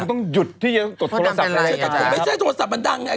ต้องหยุดที่จะกดโทรศัพท์ผมไม่ใช่โทรศัพท์มันดังไง